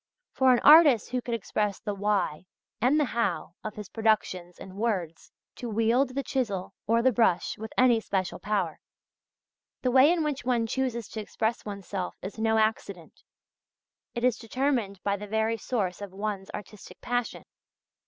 For an artist who could express the "why" and the "how" of his productions in words would scarcely require to wield the chisel or the brush with any special power. The way in which one chooses to express oneself is no accident; it is determined by the very source of one's artistic passion.